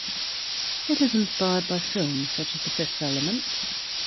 It is inspired by films such as The Fifth Element.